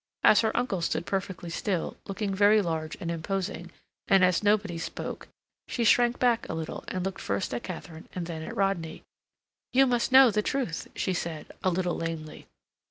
As her uncle stood perfectly still, looking very large and imposing, and as nobody spoke, she shrank back a little, and looked first at Katharine and then at Rodney. "You must know the truth," she said, a little lamely.